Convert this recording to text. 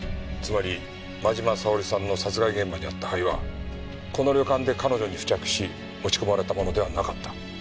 つまり真嶋沙織さんの殺害現場にあった灰はこの旅館で彼女に付着し持ち込まれたものではなかった。